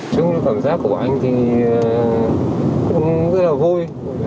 chung cảm giác của anh thì cũng rất là vui